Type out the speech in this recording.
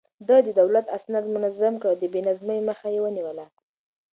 ده د دولت اسناد منظم کړل او د بې نظمۍ مخه يې ونيوله.